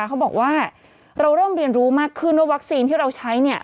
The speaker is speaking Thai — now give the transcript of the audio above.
เขาบอกว่าเราเริ่มเรียนรู้มากขึ้นว่าวัคซีนที่เราใช้เนี่ย